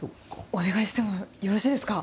お願いしてもよろしいですか。